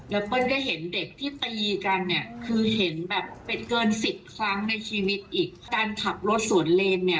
แล้วเปิ้ลก็เห็นเด็กที่ตีกันเนี่ยคือเห็นแบบเป็นเกินสิบครั้งในชีวิตอีกการขับรถสวนเลนเนี่ย